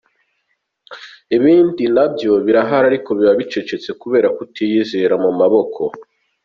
Ibindi nabyo birahari ariko biba bicecetse kubera kutiyizera mu maboko.